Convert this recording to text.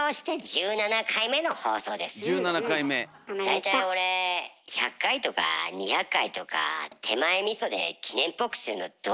大体俺１００回とか２００回とか手前みそで記念っぽくするのどうかと思うんだよね。